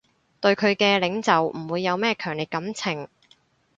對佢嘅領袖唔會有咩強烈感情